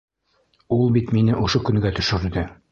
Ул бит мине ошо көнгә төшөрҙө!